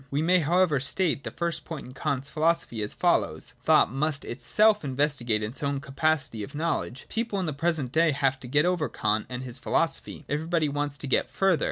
We may therefore state the first point in Kant's philo sophy as follows : Thought must itself investigate its own capacity of knowledge. People in the present day have got over Kant and his philosophy : everybody wants to get further.